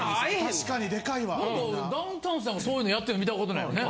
・確かにデカいわ・ダウンタウンさんがそういうのやってるの見た事ないよね。